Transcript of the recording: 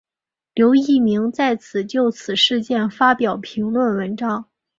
刘逸明再次就此事件发表评论文章。